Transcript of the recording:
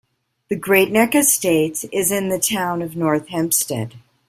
The Great Neck Estates is in the Town of North Hempstead.